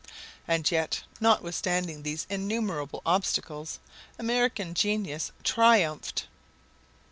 And yet, notwithstanding these innumerable obstacles, American genius triumphed.